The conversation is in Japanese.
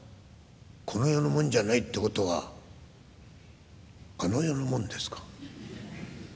この世のもんじゃないってことはあの世のもんですか？